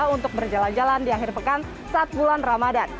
untuk berjalan jalan di akhir pekan saat bulan ramadan